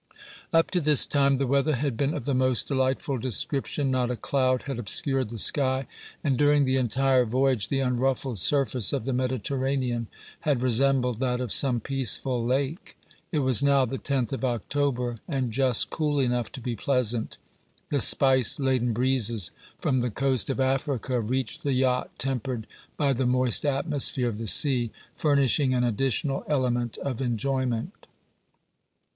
Up to this time the weather had been of the most delightful description. Not a cloud had obscured the sky, and during the entire voyage the unruffled surface of the Mediterranean had resembled that of some peaceful lake. It was now the tenth of October, and just cool enough to be pleasant; the spice laden breezes from the coast of Africa reached the yacht tempered by the moist atmosphere of the sea, furnishing an additional element of enjoyment.